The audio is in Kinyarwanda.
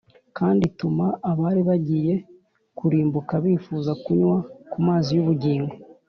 kandi ituma abari bagiye kurimbuka bifuza kunywa ku mazi y’ubugingo